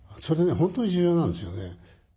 本当に重要なんですよね。